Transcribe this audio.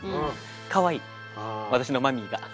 かわいい私のマミーが。